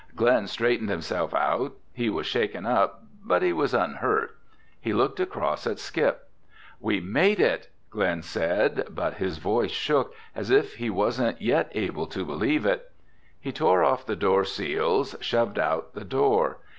Glen straightened himself out. He was shaken up but he was unhurt. He looked across at Skip. "We made it," Glen said, but his voice shook, as if he wasn't yet able to believe it. He tore off the door seals, shoved out the door.